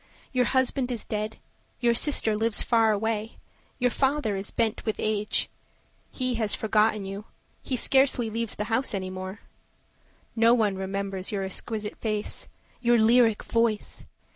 Your husband is dead, your sister lives far away, Your father is bent with age; He has forgotten you, he scarcely leaves the house Any more. No one remembers your exquisite face, Your lyric voice!